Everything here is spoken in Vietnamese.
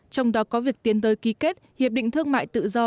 trong đó có việc tiến tới ký kết hiệp định thương mại tự do